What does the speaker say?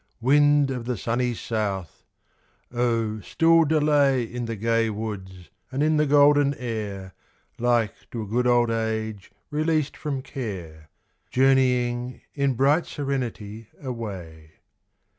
Wind of the sunny south! oh still delay In the gay woods and in the golden air, Like to a good old age released from care, Journeying, in long serenity, away.